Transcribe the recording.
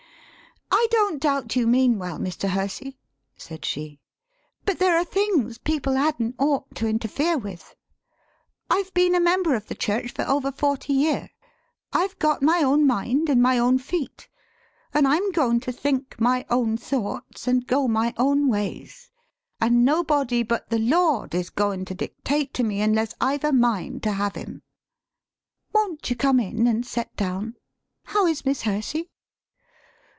] "I don't doubt you mean well, Mr. Hersey," said she, "but there are things people hadn't ought to interfere with. I've been a member of the church for over forty year. I've got my own mind an' my own feet, an' I'm goin' to think my own thoughts an' go my own ways, an' nobody but the Lord is goin' to dictate to me unless I've a mind to THE SPEAKING VOICE have him. Won't you come in an' set down? How is Mis' Hersey?"